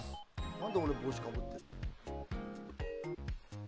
何で俺、帽子かぶってるの。